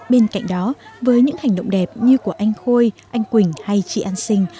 bên cạnh đó với những hành động đẹp như của anh khôi anh quỳnh hay chị an sinh